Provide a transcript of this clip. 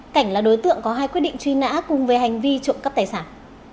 cảnh là đối tượng có hai quyết định truy nã cùng với hành vi trộm cắp tài sản